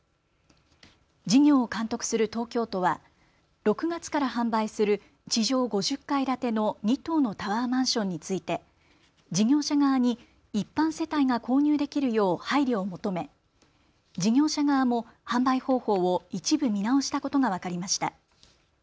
事業を監督する東京都は６月から販売する地上５０階建ての２棟のタワーマンションについて事業者側に一般世帯が購入できるよう配慮を求め事業者側も販売方法を一部見直したことが分かりました。